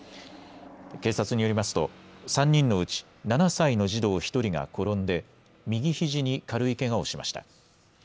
警察によりますと３人のうち７歳の児童１人が転んで右ひじに軽いけがをしました。